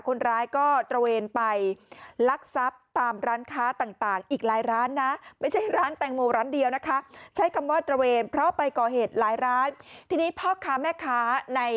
คนร้ายก็ตระเวนไปลักซับตามร้านค้าต่างอีกหลายร้านนะ